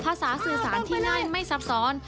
สื่อสารที่ง่ายไม่ซับซ้อน